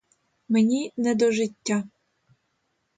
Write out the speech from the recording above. Мені не до життя.